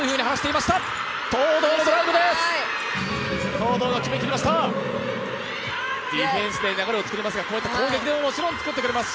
東藤が決めきりました、ディフェンスで流れをつくりますがこうやった攻撃でももちろんつくってくれます。